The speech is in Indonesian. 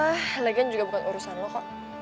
eh lagian juga bukan urusan lo kok